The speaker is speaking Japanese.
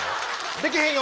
でけへんよ！